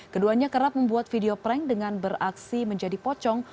keduanya kerap membuat video prank dengan beraksi menjadi pocong